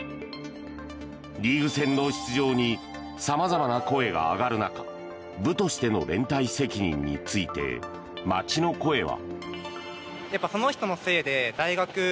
リーグ戦の出場にさまざまな声が上がる中部としての連帯責任について街の声は。